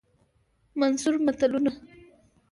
منثور متلونه